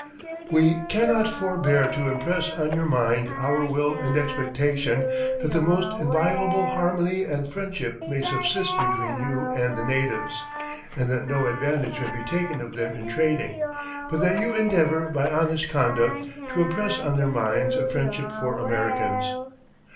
We cannot forbear to impress on your mind our will and expectation that the most inviolable harmony and friendship may subsist between you and the natives, and that no advantage may be taken of them in trading, but that you endeavor by honest conduct to impress on their minds a friendship for Americans."